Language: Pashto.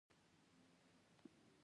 مېلمه ته د حق احترام ورکړه.